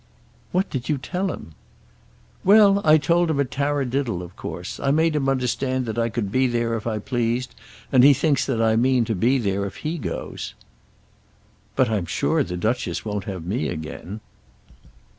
"What did you tell him?" "Well; I told him a tarradiddle of course. I made him understand that I could be there if I pleased, and he thinks that I mean to be there if he goes." "But I'm sure the Duchess won't have me again."